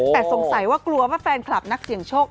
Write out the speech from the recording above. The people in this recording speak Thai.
แต่สงสัยว่ากลัวว่าแฟนคลับนักเสี่ยงโชค